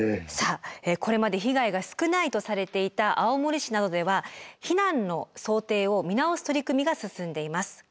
さあこれまで被害が少ないとされていた青森市などでは避難の想定を見直す取り組みが進んでいます。